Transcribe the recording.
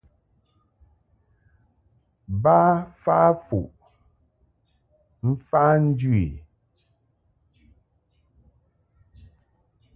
Ba fa fuʼ mfa njɨ i.